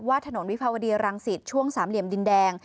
ถนนวิภาวดีรังสิตช่วงสามเหลี่ยมดินแดง